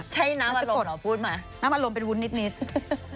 ใช่น้ำอารมณ์น้ำอารมณ์เป็นวุ่นนิดพูดมาจะกดเหรอ